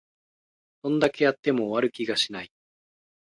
どんだけやっても終わる気がしない